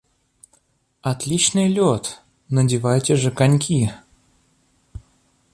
Отличный лед, надевайте же коньки.